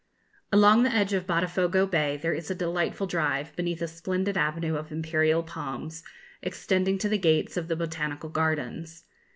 Along the edge of Botafogo Bay there is a delightful drive, beneath a splendid avenue of imperial palms, extending to the gates of the Botanical Gardens.